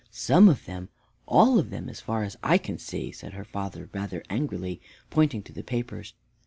"Some of them! All of them as far as I can see," said her father rather angrily, pointing to the papers.